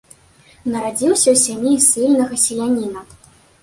Нарадзіўся ў сям'і ссыльнага селяніна.